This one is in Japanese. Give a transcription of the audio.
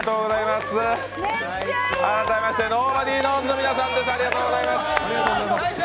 改めましてｎｏｂｏｄｙｋｎｏｗｓ＋の皆さんです。